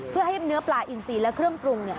เพื่อให้เนื้อปลาอินซีและเครื่องปรุงเนี่ย